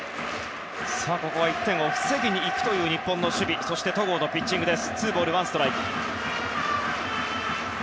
ここは１点を防ぎにいくという日本の守備戸郷のピッチングです。